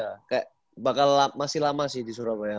ya kayak bakal masih lama sih di surabaya